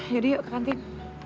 jadi yuk ke kantin